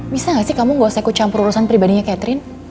bisa nggak sih kamu nggak usah aku campur urusan pribadinya catherine